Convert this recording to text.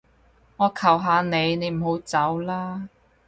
我求下你，你唔好走啦